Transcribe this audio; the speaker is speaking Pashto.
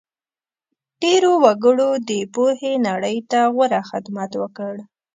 ډېرو وګړو د پوهې نړۍ ته غوره خدمت وکړ.